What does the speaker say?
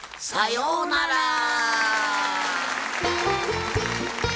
さようなら！